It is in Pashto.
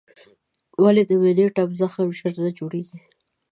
ولې د معدې ټپ زخم ژر نه جوړېږي؟